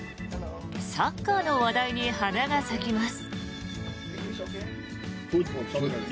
サッカーの話題に花が咲きます。